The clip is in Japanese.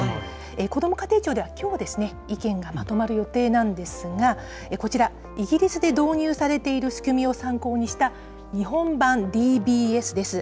こども家庭庁ではきょうですね、意見がまとまる予定なんですが、こちら、イギリスで導入されている仕組みを参考にした、日本版ＤＢＳです。